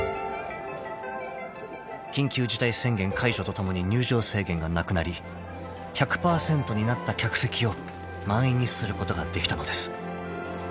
［緊急事態宣言解除とともに入場制限がなくなり１００％になった客席を満員にすることができたのです］